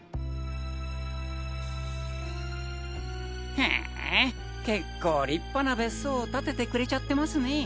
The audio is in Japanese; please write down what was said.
へぇ結構立派な別荘を建ててくれちゃってますねぇ。